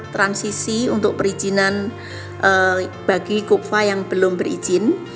transisi untuk perizinan bagi kupah yang belum berizin